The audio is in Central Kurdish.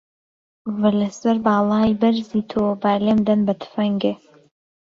وە لە سەر باڵای بەرزی تۆ، با لێم دەن بە تفەنگێ